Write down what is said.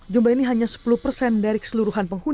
jumlah ini hanya sepuluh persen dari seluruhan penghukuman